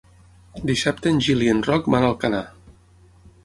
Dissabte en Gil i en Roc van a Alcanar.